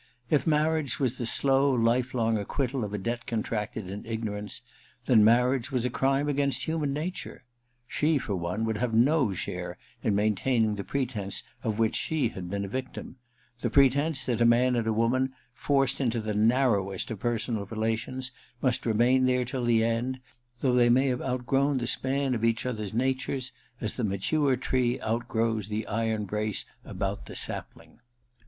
If marriage was the slow life long acquittal of a debt contracted in ignorance, then marriage was a crime against human nature. She, for one, would have no share in maintaining the pretence of which she had been a victim : the pretence that a man and a woman, forced into the narrowest of personal relations, must remain there till the end, though they may have out grown the span of each other's natures as the mature tree outgrows the iron brace about the sapling.